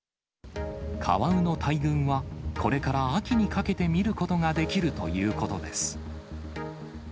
カワウの大群は、これから秋にかけて見ることができるということです。